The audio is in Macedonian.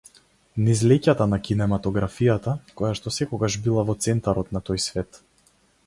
Низ леќата на кинематографијата, којашто секогаш била во центарот на тој свет.